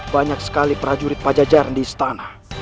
banyak sekali prajurit pajajar di istana